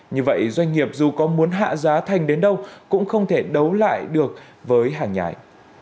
như vậy doanh nghiệp dù có muốn hạ giá thành đến đâu cũng không thể đấu lại được với hàng nhái